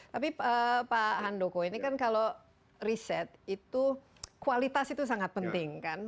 tapi pak handoko ini kan kalau riset itu kualitas itu sangat penting kan